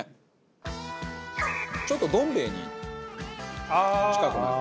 ちょっとどん兵衛に近くなる。